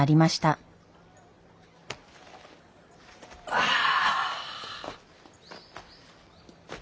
ああ。